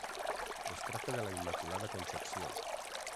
Es tracta de la Immaculada Concepció.